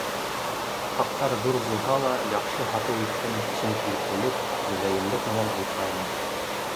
Хаҡтар ҙур булһа ла, яҡшы һатыу иттем, сөнки иплелек, мөләйемлек менән алдыра инем.